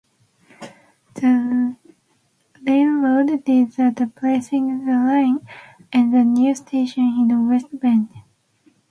The railroad did that placing the line and the new station in West Bend.